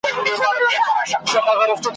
هر یو هډ یې له دردونو په ضرور سو ,